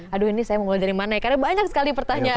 aduh ini saya mulai dari mana ya karena banyak sekali pertanyaan